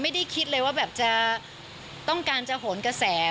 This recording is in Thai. ไม่ได้คิดเลยว่าแบบจะต้องการจะโหนกระแส